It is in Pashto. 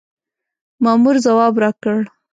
مامور ځواب راکړ.